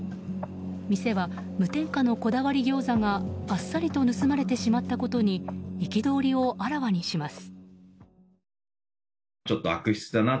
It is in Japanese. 店は無添加のこだわりギョーザがあっさりと盗まれてしまったことに憤りをあらわにします。